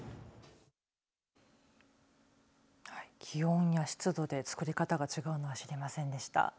気温や湿度で作り方が違うのは知りませんでした。